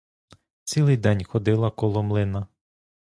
Цілий день ходили коло млина.